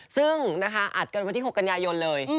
ซึ่งนะคะอัดกันวันที่๖กันยายนเลย